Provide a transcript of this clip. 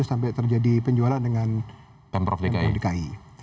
sampai terjadi penjualan dengan pemprov dki